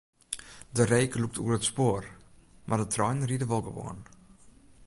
De reek lûkt oer it spoar, mar de treinen ride wol gewoan.